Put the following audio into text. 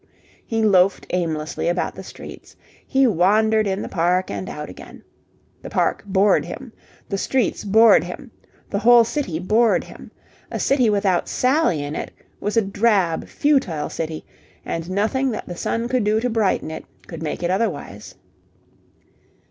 He loafed aimlessly about the streets. He wandered in the Park and out again. The Park bored him. The streets bored him. The whole city bored him. A city without Sally in it was a drab, futile city, and nothing that the sun could do to brighten it could make it otherwise.